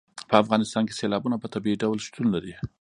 په افغانستان کې سیلابونه په طبیعي ډول شتون لري.